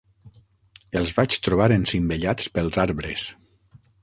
Els vaig trobar encimbellats pels arbres.